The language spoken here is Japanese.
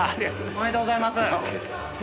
おめでとうございます。